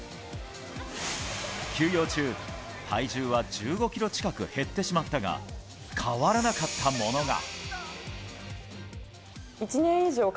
休養中、体重は１５ｋｇ近く減ってしまったが変わらなかったものが。